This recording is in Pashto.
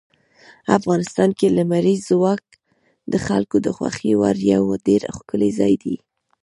افغانستان کې لمریز ځواک د خلکو د خوښې وړ یو ډېر ښکلی ځای دی.